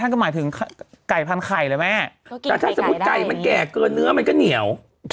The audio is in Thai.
แก่เกลือเนื้อมันก็เหนียว